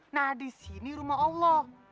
nah disini rumah allah